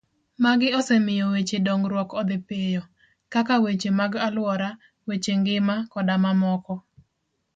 Magi osemiyo weche dongruok odhi piyo, kaka weche mag aluora, weche ngima koda mamoko.